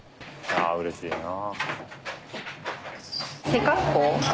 ああうれしいな。